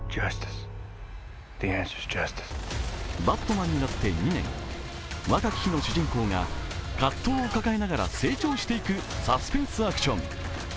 バットマンになって２年若き日の主人公が葛藤を抱えながら成長していくサスペンスアクション。